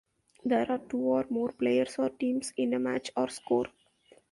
There are two or more players or teams in a match or "score".